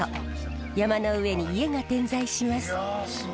山の上に家が点在します。